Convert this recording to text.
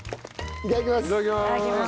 いただきます。